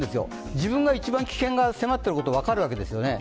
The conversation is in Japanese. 自分が一番危険が迫っていることが分かるわけですよね。